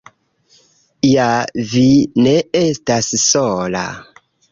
Ja vi ne estas sola.